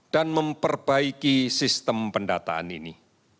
dan memperbaiki sistem pendataan ini